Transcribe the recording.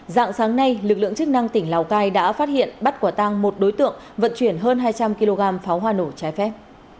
dạng sáng nay lực lượng chức năng tỉnh lào cai đã phát hiện bắt quả tăng một đối tượng vận chuyển hơn hai trăm linh kg pháo hoa nổ trái phép